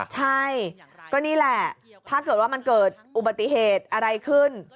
ใช่ก็นี่แหละถ้าเกิดว่ามันเกิดอุบัติเหตุอะไรขึ้น